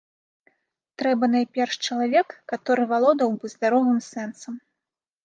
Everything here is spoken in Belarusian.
Трэба найперш чалавек, каторы валодаў бы здаровым сэнсам.